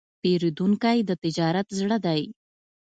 پیرودونکی د تجارت زړه دی.